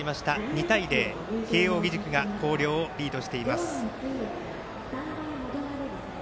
２対０、慶応義塾が広陵をリードしています。